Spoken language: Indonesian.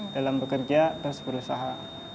dalam bekerja dan sebuah usaha